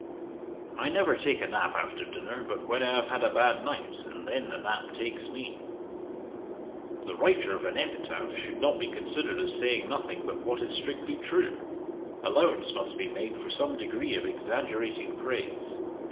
'I never take a nap after dinner but when I have had a bad night, and then the nap takes me.' 'The writer of an epitaph should not be considered as saying nothing but what is strictly true. Allowance must be made for some degree of exaggerated praise.